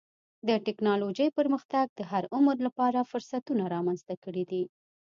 د ټکنالوجۍ پرمختګ د هر عمر لپاره فرصتونه رامنځته کړي دي.